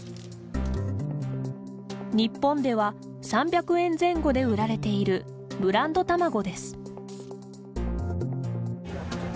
日本では３００円前後で売られている、ブランド卵です。